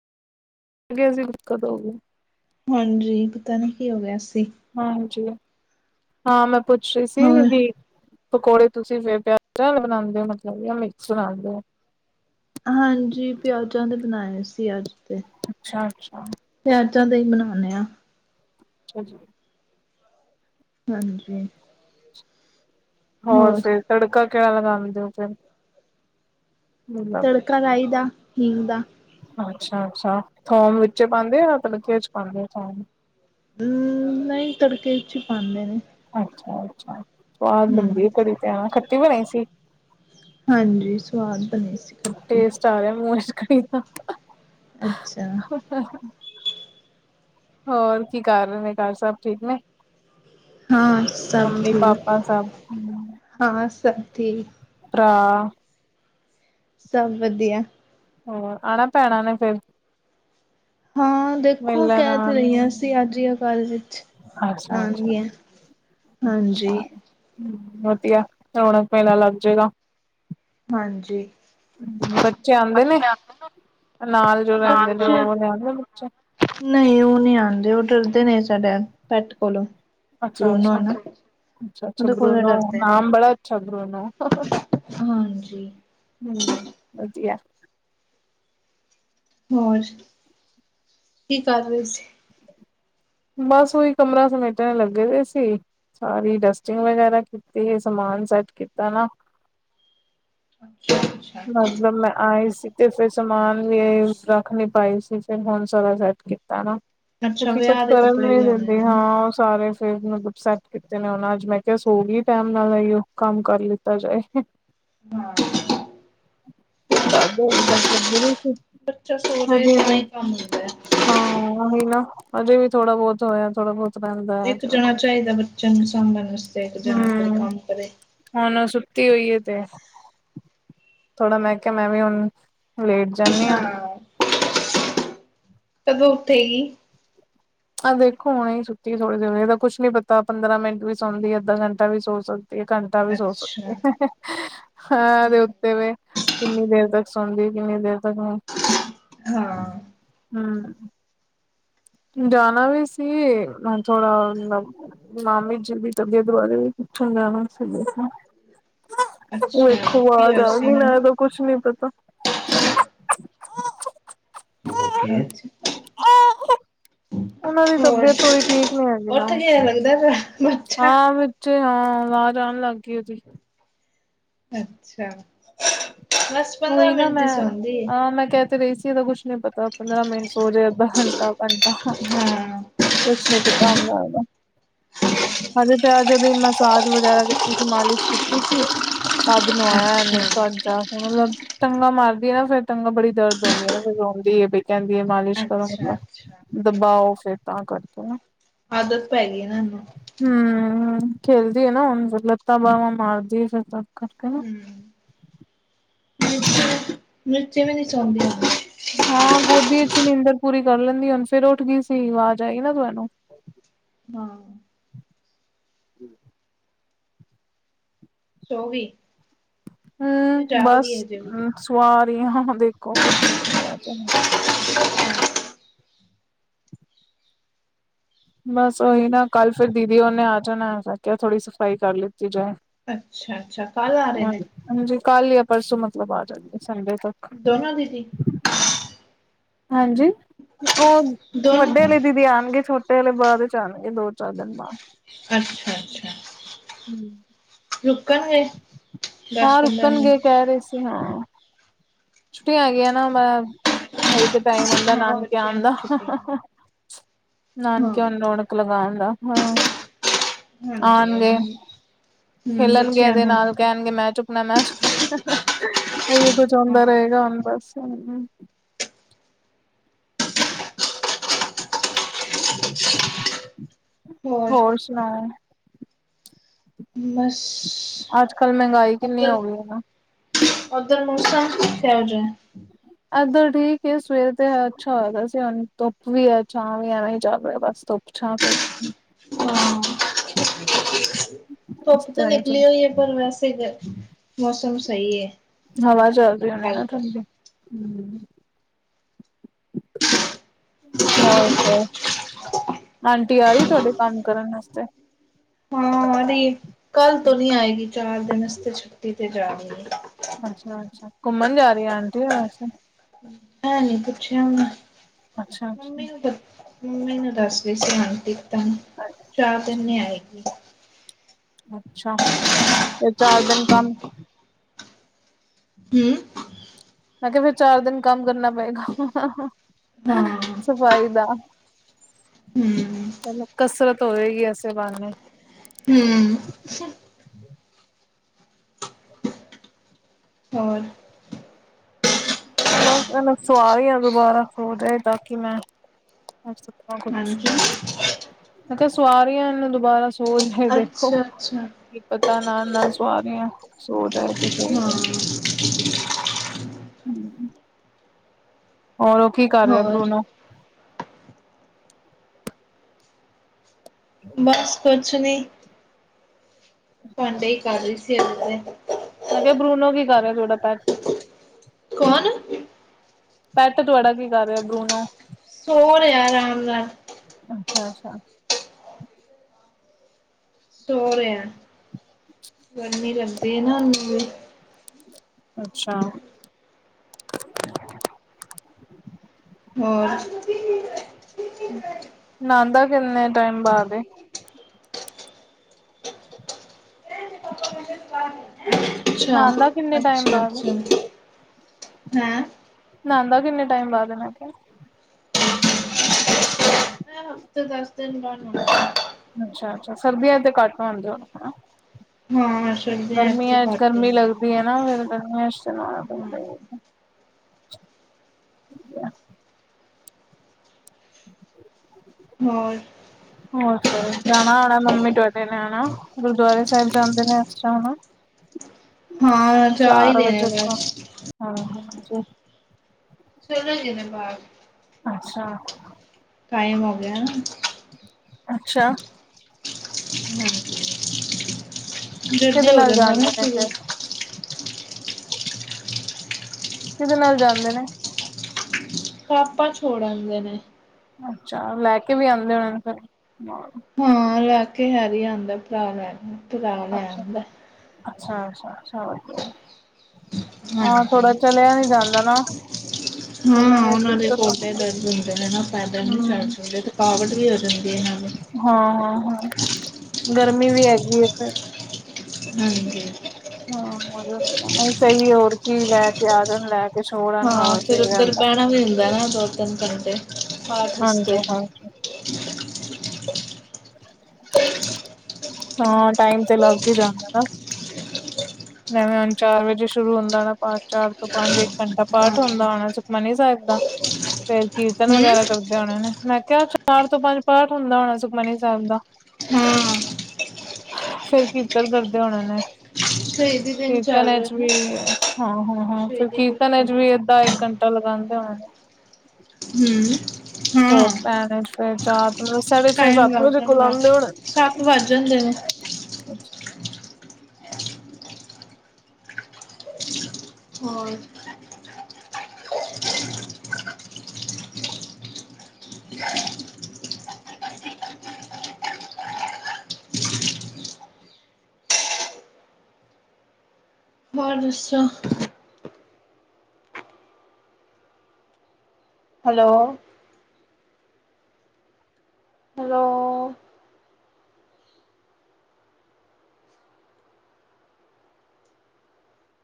ਗੇ ਸੀ ਬੁੱਕ ਕਦੋਂ ਹੋਊਗਾ। ਹਾਂਜੀ ਪਤਾ ਨੀ ਕੀ ਹੋ ਗੇਆ ਸੀ। ਹਾਂਜੀ, ਹਾਂ ਮੈਂ ਪੁੱਛ ਰੀ ਸੀ ਹੋਰ ਕੀ ਪਕੌੜੇ ਤੁਸੀ ਫੇਰ ਪਿਆਜਾਂ ਵਾਲੇ ਬਨਾਉਂਦੇ ਹੋ ਮਤਲਬ ਯਾ ਮਿਕਸ ਬਣਾਉਂਦੇ ਹੋ? ਹਾਂਜੀ ਪਿਆਜਾਂ ਦੇ ਬਨਾਏ ਸੀ, ਅੱਜ ਤੇ। ਅੱਛਾ-ਅੱਛਾ ਪਿਆਜਾਂ ਦੇ ਹੀ ਬਣਾਉਨੇਂ ਆਂ। ਅੱਛਾ ਜੀ ਹਾਂਜੀ ਹੋਰ ਫਿਰ, ਤੜਕਾ ਕਿਹੜਾ ਲਗਾਦੇ ਹੋ ਫਿਰ? ਮਤਲਬ ਤੜਕਾ ਲਾਈਦਾ ਹੀਂਗ ਦਾ। ਅੱਛਾ-ਅੱਛਾ ਥੋਮ ਵਿੱਚ ਪਾਉਂਦੇ ਜਾਂ ਤੜਕੇ ਵਿੱਚ ਪਾਂਦੇ ਥੋਮ ਅ ਨਹੀਂ ਤੜਕੇ ਵਿੱਚ ਹੀ ਪਾਉਂਦੇ ਨੇਂ। ਅੱਛਾ-ਅੱਛਾ, ਸੁਵਾਦ ਬਣਦੀ ਕੜੀ ਤੇ ਹਾਂ ਖੱਟੀ ਬਣਾਈ ਸੀ। ਹਾਂਜੀ! ਸਵਾਦ ਬਨੀ ਸੀ। ਖੱਟੀ ਟੇਸਟ ਆ ਰਿਹਾ ਮੂੰਹ ਇਚ, ਕੜੀ ਦਾ। ਅੱਛਾ! ਹੋਰ, ਕੀ ਕਰ ਰਹੇ ਨੇਂ ਘਰ ਸਬ ਠੀਕ ਨੇਂ? ਹਾਂ ਸਭ ਮੰਮੀ, ਠੀਕ ਪਾਪਾ ਸਭ ਹੂੰ ਹਾਂ ਸਭ ਠੀਕ। ਭਰਾ ਸਭ ਵਧੀਆ। ਹੋਰ, ਆਣਾ ਭੈਣਾਂ ਨੇਂ ਫੇਰ? ਹਾਂ! ਦੇਖੋ, ਮਿਲਣ ਕਹਿ ਤੇ ਰਹੀਆਂ ਸੀ ਆਉਣ ਅੱਜ ਯਾ ਕਲ ਵਿੱਚ ਅੱਛਾ-ਅੱਛਾ, ਆਨਗੀਆਂ। ਅੱਛਾ ਹੂੰ ਵਧੀਆ ਰੌਣਕ ਮੇਲਾ ਲੱਗ ਜਾਏਗਾ। ਹਾਂਜੀ! ਹੂੰ ਬੱਚੇ ਆਉਂਦੇ ਨੇਂ? ਆਹ ਨਾਲ ਜੋ ਰਹਿੰਦੇਂ ਨੇਂ, ਬੱਚੇ ਉਹ ਨੀ ਆਉਂਦੇ ਬੱਚੇ? ਨਹੀਂ ਉਹ ਨਹੀਂ ਆਉਂਦੇ। ਉਹ ਡਰਦੇ ਨੇਂ ਸਾਡੇ ਇਹ ਪੈਟ ਕੋਲੋਂ। ਬਰੂਨੋ ਆ ਨਾ ਅੱਛਾ-ਅੱਛਾ-ਅੱਛਾ-ਅੱਛਾ ਉਹਦੇ ਕੋਲੋਂ ਬਰੂਨੋ, ਡਰਦੇ ਨੇ ਨਾਮ ਬੜਾ ਅੱਛਾ ਬਰੂਨੋ। ਹਾਂਜੀ। ਹੂੰ, ਵਧੀਆ। ਹੋਰ ਕੀ ਕਰ ਰਏ ਸੀ? ਬਸ ਓਹੀ ਕਮਰਾ ਸਮੇਟਨ ਤੇ ਲੱਗੇ ਦੇ ਸੀ। ਸਾਰੀ ਡਸਟਿੰਗ ਵਗੈਰਾ ਕੀਤੀ ਏ ਸਮਾਨ ਸੈੱਟ ਕੀਤਾ ਨਾ। ਅੱਛਾ-ਅੱਛਾ ਮਤਲਬ ਮੈਂ ਆਈ ਸੀ ਤੇ ਫਿਰ ਸਮਾਨ ਵੀ ਰੱਖ ਨੀ ਪਾਈ ਸੀ ਫਿਰ ਹੁਨ ਸਾਰਾ ਸੈਟ ਕੀਤਾ ਤਾ ਨਾ ਅੱਛਾ ਕੁਛ ਵਿਆਹ ਦੇ ਕਰਨ ਕੱਪੜੇ ਨੀ ਵੀ ਆਉਣੇ ਦਿੰਦੀ ਨੇ ਨਾ ਹਾਂ ਉਹ ਸਾਰੇ ਫਿਰ ਸੈੱਟ ਕੀਤੇ ਨੇ ਉਹਨਾਂ ਅੱਜ ਮੈਂ ਕਿਹਾ [unintelligible] ਉਹ ਕੰਮ ਕਰ ਲਿੱਤਾ ਜਾਏ ਹਾਂ ਫਿਰ ਤਾਂ ਦਵਾਈ ਪਾਸ ਲੱਗੀ ਰਹੀ ਸੀ ਬੱਚਾ ਸੋ ਜਾਏ ਹਜੇ ਤਾਂ ਉਹ ਹੀ ਕੰਮ ਹੁੰਦਾ ਹੈ ਹਾਂ ਉਹੀ ਨਾ ਅਜੇ ਵੀ ਥੋੜਾ ਬਹੁਤ ਹੋਇਆ ਥੋੜਾ ਬਹੁਤ ਰਹਿੰਦਾ ਹੈ ਇੱਕ ਅਜੇ ਜਾਣਾ ਚਾਹੀਦਾ ਬੱਚਿਆਂ ਨੂੰ ਸਾਂਭਣ ਵਾਸਤੇ ਇੱਕ ਜਾਣਾ ਫਿਰ ਹਮ ਕੰਮ ਕਰੇ ਹੁਣ ਉਹ ਸੁੱਤੀ ਹੋਈ ਏ ਤੇ ਥੋੜਾ ਮੈਂ ਕਿਹਾ ਮੈਂ ਵੀ ਹੁਣ ਲੇਟ ਜਾਂਦੀ ਅੱਛਾ ਹਾਂ ਕਦੋਂ ਉਠੇਗੀ ਆਹ ਦੇਖੋ ਹੁਣ ਸੁੱਤੀ ਥੋੜ੍ਹੇ ਦੇਰ ਹੋਈ ਇਹਦਾ ਕੁਛ ਨੀ ਪਤਾ ਪੰਦਰਾਂ ਮਿੰਟ ਵੀ ਸੌਂਦੀ ਅੱਧਾ ਘੰਟਾ ਵੀ ਸੋ ਸਕਦੀ ਤੇ ਘੰਟਾ ਵੀ ਸੋ ਅੱਛਾ ਸਕੇ ਹਾਂ ਹਮ ਤੇ ਤੇਵੇ ਕਿੰਨੀ ਦੇਰ ਤੱਕ ਸੌਂਦੀ ਕਿੰਨੀ ਦੇਰ ਤੱਕ ਹਾਂ। ਹੁੰ। ਜਾਣਾ ਵੀ ਸੀ ਥੋੜਾ ਮਾਮੀ ਜੀ ਦੀ ਤਬੀਅਤ ਬਾਰੇ ਵੀ ਪੁੱਛਣ ਜਾਣਾ ਸੀ। ਅੱਛਾ ਵੇਖੋ, ਕੀ ਵਾਜ ਹੋਇਆ ਸੀ ਆਗੀ ਉਹਨਾਂ ਨਾ ਨੂੰ ਏਦਾ ਕੁਛ ਨੀ ਪਤਾ। [unintelligible] ਉਹਨਾਂ ਦੀ ਹੋਰ ਤਬੀਅਤ ਥੋੜੀ ਠੀਕ ਨੀ ਹੈਗੀ ਨਾ ਓਠ ਗੇਯਾ ਲਗਦਾ ਪੇਯਾ। ਹਾਂ ਵਿੱਚ ਹਾਂ ਵਾਜ ਆਣ ਲੱਗ ਗਈ ਓਦੀ। ਅੱਛਾ, ਬਸ ਪੰਦਰਾਂ ਮਿੰਟ ਈ ਸੋਂਦੀ। ਆਂ, ਮੈਂ ਕਹਿ ਤੇ ਰਹੀ ਸੀ ਏਦਾ ਕੁਛ ਨੀ ਪਤਾ ਪੰਦਰਾਂ ਮਿੰਟ ਸੋਜੇ ਅੱਧਾ ਘੰਟਾ, ਘੰਟਾ ਹਾਂ ਕੁਛ ਨੀਂ ਪਤਾ ਹੁੰਦਾ ਏਦਾ। ਹੰਜੀ, ਤੇ ਅੱਜ ਓਦੀ ਮਸਾਜ ਵਗੈਰਾ ਦਿੱਤੀ ਸੀ, ਮਾਲਿਸ਼ ਕੀਤੀ ਸੀ। ਤਾਦ ਨਵਾਇਆ ਅੱਛਾ ਏਨੂੰ ਤਾਦ ਜਾਕੇ ਮਤਲਬ ਟੰਗਾ ਮਾਰਦੀ ਏਨਾ ਫੇਰ ਟੰਗਾ ਬੜੀ ਦਰਦ ਹੁੰਂਦੀ ਏਨਾ, ਫਿਰ ਰੋਂਦੀਏ ਬਈ ਕਹਿੰਦੀ ਏ ਮਾਲਿਸ਼ ਕਰੋ। ਅੱਛਾ ਅੱਛਾ ਦਬਾਓ ਫੇਰ ਤਾਂ ਕਰਕੇ ਨਾ। ਆਦਤ ਪੈ ਗੀ ਨਾ ਏਨੂੰ। ਹੁੰ, ਖੇਲਦੀ ਏਨਾ ਹੁਨ ਮਤਲਬ ਲੱਤਾਂ ਬਾਹਵਾਂ ਮਾਰਦੀ ਫੇਰ ਤਾਂ ਕਰਕੇ ਨਾ। ਹੂੰ ਨਿਚੇ ਵੀ ਨੀ ਸੋਂਦੀ ਓ। ਹਾਂ, ਗੋਦੀ ਵਿੱਚ ਨੀਂਦਰ ਪੂਰੀ ਕਰ ਲੈਂਦੀ ਹੁਨ ਫੇਰ ਓਠ ਗਈ ਸੀ, ਵਾਜ ਆਈ ਏਨਾ ਤੁਆਨੂੰ। ਹਾਂ। ਚੌਵੀ ਹੁੰ, ਬਸ ਹਜੇ ਵੀ ਸਵਾ ਰਹੀ ਆਂ ਦੇਖੋ, ਕੁਛ ਨੀ ਪਤਾ [unintelligible] ਬਸ ਓਹੀ ਨਾ ਕੱਲ ਫੇਰ ਦੀਦੀ ਹੋਰ ਆ ਜਾਣਾ, ਮੈਂ ਕੇਯਾ ਥੋੜੀ ਸਫ਼ਾਈ ਕਰ ਲਿੱਤੀ ਜਾਏ। ਅੱਛਾ-ਅੱਛਾ, ਕੱਲ ਆ ਰੇ ਨੇ। ਹਾਂਜੀ, ਕੱਲ ਯਾਂ ਪਰਸੋਂ ਮਤਲਬ ਆ ਜਾਨ ਗੇ ਸੰਡੇ ਤੱਕ। ਦੋਨੋ ਦੀਦੀ? ਹਾਂਜੀ, ਓਹ ਦੋਨੋ ਵੱਡੇ ਆਲੇ ਲਈ ਦੀਦੀ ਆਣਗੇ ਛੋਟੇ ਆਲੇ ਬਾਅਦ 'ਚ ਆਣਗੇ ਦੋ-ਚਾਰ ਦਿਨ ਬਾਅਦ। ਅੱਛਾ-ਅੱਛਾ। ਹੁੰ। ਰੁਕਣਗੇ? ਦਸ ਹਾਂ ਪੰਦਰਾਂ ਰੁਕਣ ਗੇ, ਮਿੰਟ ਕਹਿ ਰਹੇ ਸੀ ਹਾਂ। ਛੁੱਟੀਆਂ ਆ ਗਈਆਂ ਨਾ ਮੈਂ ਹੁਨ ਤੇ ਟਾਈਮ ਆਂਦਾ ਹਾਂ ਨਾਨਕੇ ਬੱਚਿਆਂ ਆਨ ਦੀ ਦਾ। ਛੁੱਟੀਆਂ ਨੇ। ਨਾਨਕੇ ਆਨ ਹਾਂ ਰੌਣਕ ਲਗਾਨ ਦਾ, ਹਾਂ। ਹੰਜੀ। ਖਲਨਗੇ ਏਦੇ ਨਾਲ। ਕਹਿਣਗੇ ਮੈਂ ਚੁੱਕਣਾ ਮੈਂ ਚੁੱਕਣਾ [unintelligible] ਏਈਓ ਕੁਛ ਹਾਂ ਹੁੰਦਾ ਰਹੇਗਾ ਹੁਣ ਬਸ। [inaudible] ਹੋਰ ਸੁਣਾਓ। ਬਸ ਅੱਜ-ਕੱਲ ਮਹਿੰਗਾਈ ਕਿੰਨੀ ਹੋ ਗੀ ਏਨਾ? ਬੱਦਲ ਓਸ ਤਰ੍ਹਾਂ ਹੀਂ ਇੱਦਰ ਠੀਕੇ ਸਵੇਰ ਤੇ ਅੱਛਾ ਹੋਯਾ ਦਾ ਸੀ ਹੁਣ ਧੁੱਪ ਵੀ ਆ, ਛਾਂ ਵੀ ਐਵੇਂ ਈਂ ਚੱਲ ਰੇਯਾ ਬਸ। ਛਾ ਤੋਂ ਹਾਂ, ਇਸ ਧੁੱਪ ਤਾਂ ਤਰ੍ਹਾਂ ਹੀ ਚ ਨਿਕਲੀ ਹੋਈਏ, ਪਰ ਵੈਸੇ ਹੀ ਗ ਮੋਸਮ ਸਈ ਏ। ਹਵਾ ਚੱਲਰੀ ਹੋਣੀ ਨਾ ਠੰਡੀ, ਹੂੰ। ਹੋਰ‌ ਦੱਸੋ, ਆਂਟੀ ਆ ਗੀ ਤੁਆਡੀ ਕੰਮ ਕਰਨ ਆਸਤੇ? ਹਾਂ ਨਈ, ਕੱਲ ਤੋਂ ਨੀ ਆਏਗੀ ਚਾਰ ਦਿਨ ਆਸਤੇ ਛੁੱਟੀ ਤੇ ਜਾ ਰੀ ਏ। ਅੱਛਾ-ਅੱਛਾ, ਘੁੰਮਣ ਜਾ ਰੀ ਆਂਟੀ ਵੈਸੇ? ਐ ਨੀ ਪੁੱਛੇਆ ਮੈ, ਅੱਛਾ ਮੰਮੀ ਅੱਛਾ ਨੂੰ [unintelligible] ਮੰਮੀ ਨੂੰ ਦੱਸ ਰੀ ਸੀ ਆਂਟੀ [unintelligible] ਚਾਰ ਦਿਨ ਨਈ ਆਏਗੀ। ਅੱਛਾ, ਫੇਰ ਚਾਰ ਦਿਨ ਕੰਮ ਹੂੰ ਮੈਂ ਕੇਆ ਫੇਰ ਚਾਰ ਦਿਨ ਕੰਮ ਕਰਨਾ ਪਏਗਾ, ਹਾਂ ਸਫ਼ਾਈ ਦਾ। ਹੂੰ ਚਲੋ ਕਸਰਤ ਹੋਵੇਗੀ ਐਸੇ ਬਹਾਨੇ। ਹੂੰ। ਹੋਰ? ਮੈਂ ਚਲੋ ਸਵਾਰੀ ਆ ਦੁਬਾਰਾ ਹੋਜੇ ਤਾ ਕਿ ਮੈਂ [unintelligible] [unintelligible] ਮੈਂ ਹਾਂਜੀ ਤਾਂ ਸਵਾਰੀ ਐਲਾ ਦੁਬਾਰਾ ਸੂ ਸੋਜ ਹੇ ਵੇਖੋ, ਅੱਛਾ ਅੱਛਾ ਕੀ ਪਤਾ ਨਾਲ-ਨਾਲ ਸਵਾ ਰੀ ਆ ਸੋ ਜਾਏ ਤੇ ਹਾਂ ਫੇਰ [inaudible] ਓਰ ਓ ਕੀ ਕਾਰ ਰੇਆ ਹੋਰ ਬ੍ਰੂਨੋ? ਬੱਸ ਕੁਛ ਨੀ, ਭਾਂਡੇਈ ਕਾਰ ਰੀ ਸੀ ਅਜੇ ਤੇ। ਮੈਂ ਕੇਆ ਬ੍ਰੂਨੋ ਕੀ ਕਾਰ ਰੇਆ ਥੋਡਾ ਪੈੱਟ? ਕੌਨ? ਪੈਟ ਤੁੁਆੜਾ ਕੀ ਕਾਰ ਰੇਆ ਬ੍ਰੂਨੋ? ਸੋ ਰੇਆ ਅਰਾਮ ਨਾਲ। ਅੱਛਾ-ਅੱਛਾ। ਸੋ ਰੇਐ, ਗਰਮੀ ਲੱਗਦੀ ਏਨਾ ਓਨੂੰ ਵੀ। ਅੱਛਾ। ਹੋਰ? ਨਾਂਦਾ ਕਿੰਨੇ ਟਾਈਮ ਬਾਦ ਏ? [unintelligible] ਨਾਂਦਾ ਕਿੰਨੇ ਟਾਈਮ ਅੱਛਾ ਬਾਦ ਐ? ਅੱਛਾ ਹੈਂ ਨਾਂਦਾ ਕਿੰਨੇ ਟਾਈਮ ਬਾਦ ਏ ਮੈ ਕੇਆ? ਏ ਹਫਤੇ ਦਸ ਦਿਨ ਬਾਦ ਨਾਂਦੈ। ਅੱਛਾ-ਅੱਛਾ, ਸਰਦੀਆਂ 'ਚ ਤੇ ਘਾੱਟ ਨਵਾਂਦੇ ਹੋਨੇ ਨਾ? ਹਾਂ, ਸਰਦੀਆਂ 'ਚ ਤੇ ਘੱਟ ਈ [unintelligible] ਤੇ ਏਨਾ [unintelligible] ਗਰਮੀਆਂ 'ਚ ਤੇ ਨਵਾਣਾ ਪੈਂਦਾ ਈ ਏ। ਹੋਰ? ਹੋਰ ਫੇਰ, ਜਾਣਾ ਹੋਣੈ ਮੰਮੀ ਤੁਆਡੇ ਨੇ ਹਣਾ ਗੁਰਦੁਆਰੇ ਸਾਹਿਬ ਜਾਂਦੇ ਅੱਜ ਤਾ ਹਨਾ? ਹਾਂ, ਜਾ ਈ ਰੇ ਐ ਵਜੇ ਕੋਲ ਬੱਸ। [unintelligible] ਚਲ ਜਾਂਗੀ ਮੈ ਬ੍ਹਾਰ। ਅੱਛਾ। ਟਾਈਮ ਹੋ ਗੇਆ ਨਾ ਅੱਛਾ। ਹਾਂਜੀ, ਕਿਹਦੇ ਨਾਲ ਜਾਂਦੇ [unintelligible] ਕਿਦੇ ਨਾਲ ਜਾਂਦੇ ਨੇ? ਪਾਪਾ ਛੋੜ ਆਂਦੇ ਨੇ। ਅੱਛਾ। ਲੈ ਕੇ ਵੀ ਆਂਦੇ ਹੋਣੇ ਫੇਰ ਨਾਲ। ਹਾਂ। ਲੈ ਕੇ ਹੈਰੀ ਆਂਦਾ ਐ। ਭਰਾ ਲੈ ਭਰਾ ਲੈ ਅੱਛਾ ਆਂਦਾ ਐ। ਅੱਛਾ ਅੱਛਾ ਅੱਛਾ। ਵਦੀਆ ਐ। ਹਾਂ ਹਾਂਜੀ ਥੋੜਾ ਚਲੇਆ ਨੀ ਜਾਂਦਾ ਨਾ। ਚੱਲਣ ਹਾਂ। ਦੀ ਓਨਾਂ ਦੇ ਦਿੱਕਤ ਗੋਡੇ ਆਉਂਦੀ ਦਰਦ ਹੁੰਦੇ ਨੇ ਨਾ ਪੈਦਲ ਨੀ ਚੱਲ ਹਮ ਸਕਦੇ ਤੇ ਕਾਵਟ ਵੀ ਹੋ ਜਾਂਦੀ ਏ ਨਾਲੇ। ਹਾਂ ਹਾਂ ਹਾਂ। ਗਰਮੀ ਵੀ ਹੈਗੀ ਏ ਫੇਰ। ਹਾਂਜੀ। ਹਾਂ, ਸਹੀ ਏ ਹੋਰ ਕੀ, ਲੈ ਕੇ ਆ ਜਾਣ, ਲੈ ਕੇ ਛੋੜ ਆਣ ਹੋਰ। ਫੇਰ ਸਹੀ ਓਦਰ ਰਹਿੰਦਾ ਬੈਣਾ ਵੀ ਹੋਂਦਾ ਐਨਾ, ਦੋ-ਤਿੰਨ ਘੰਟੇ ਪਾਠ ਅਸਤੇ। ਹਾਂਜੀ-ਹਾਂਜੀ, [unintelligible] ਹਾਂ, ਟਾਈਮ ਤੇ ਲੱਗ ਈ ਜਾਂਦਾ ਨਾ। ਜੈਵੇਂ ਹੁਨ ਚਾਰ ਵਜੇ ਸ਼ੁਰੂ ਹੁੰਦਾ ਹੋਣਾ ਪਾਠ, ਚਾਰ ਤੋਂ ਪੰਜ ਇੱਕ ਘੰਟਾ ਹਾਂ ਪਾਠ ਹੁੰਦਾ ਹੂੰ ਹੋਣਾ ਸੁਖਮਨੀ ਸੈਬ ਦਾ। [unintelligible] ਫੇਰ ਕੀਰਤਨ ਵਗੈਰਾ ਕਰਦੇ ਹੋਣੇ ਨੇ। ਮੈਂ ਕੇਆ ਚਾਰ ਤੋਂ ਪੰਜ ਪਾਠ ਹੁੰਦਾ ਹੋਣਾ ਸੁਖਮਨੀ ਸੈਬ ਦਾ। ਹਾਂ। ਫੇਰ ਕੀਰਤਨ ਕਰਦੇ ਹੋਣੇ ਨੇ। ਕਈ ਦਿ ਕੀਰਤਨ ਏਚ ਵੀ, ਹਾਂ ਹਾਂ ਹਾਂ, ਫਿਰ ਸ਼ਹੀਦੀ ਕੀਰਤ ਗੁਰੂ ਏਚ ਹੂੰ ਵੀ ਅੱਧਾ-ਇੱਕ ਘੰਟਾ ਲਗਾਂਦੇ ਹੋਨੇ ਨੇ। ਹੂੰ। ਭੋਗ ਪੈਣ ਏਚ ਫੇਰ ਚਾਰ ਤੋ ਸਾਡੇ ਟਾਈਮ ਛੇ-ਸੱਤ ਲੱਗ ਵਜੇ ਕੋਲ ਜਾਂਦਾ ਆਂਦੇ ਹੋਣੇ। ਸੱਤ ਵੱਜ ਜਾਂਦੇ ਨੇ ਅਛ ਹੋਰ ਹੋਰ ਦੱਸੋ? ਹੈਲੋ। ਹਲੋ।